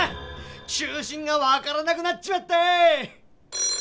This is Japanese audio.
中心がわからなくなっちまったぃ！